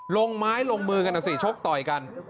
ลงไม้ลงมือกันนะสิชกต่อยกัน